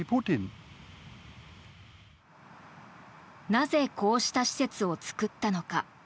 なぜこうした施設を作ったのか。